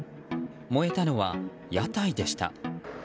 燃えたのは屋台でした。